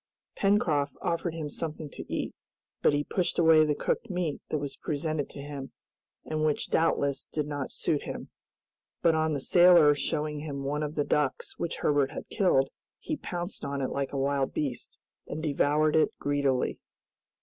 Pencroft offered him something to eat, but he pushed away the cooked meat that was presented to him and which doubtless did not suit him. But on the sailor showing him one of the ducks which Herbert had killed, he pounced on it like a wild beast, and devoured it greedily.